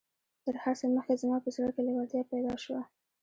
تر هر څه مخکې زما په زړه کې لېوالتيا پيدا شوه.